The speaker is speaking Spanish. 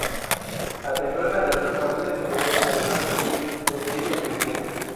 A temprana edad, su familia se mudó a Los Ángeles, donde ella creció.